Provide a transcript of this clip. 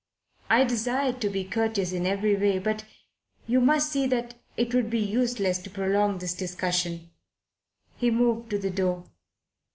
I desire to be courteous in every way, but you must see that it would be useless to prolong this discussion." And he moved to the door.